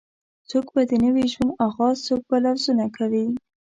څوک به د نوې ژوند آغاز څوک به لوظونه کوي